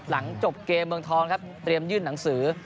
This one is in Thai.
หลังจบเกมเมืองทองครับเตรียมยื่นหนังสือ